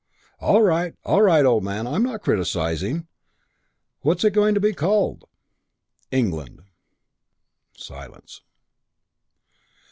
"All right, all right, old man. I'm not criticising. What's it going to be called?" "England." Silence.